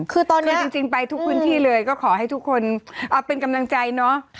คือตอนนี้จริงไปทุกพื้นที่เลยก็ขอให้ทุกคนเป็นกำลังใจเนาะ